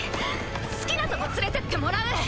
好きなとこ連れてってもらう。